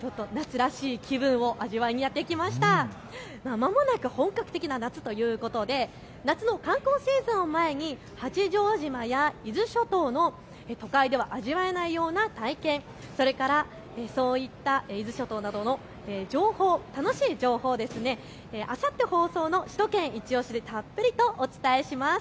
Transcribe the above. まもなく本格的な夏ということで夏の観光シーズンを前に八丈島や伊豆諸島の都会では味わえないような体験、それから伊豆諸島などの情報、楽しい情報をあさって放送の首都圏いちオシ！でたっぷりとお伝えします。